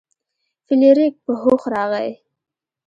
فلیریک په هوښ راغی.